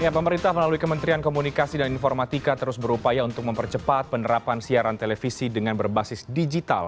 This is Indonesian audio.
pemerintah melalui kementerian komunikasi dan informatika terus berupaya untuk mempercepat penerapan siaran televisi dengan berbasis digital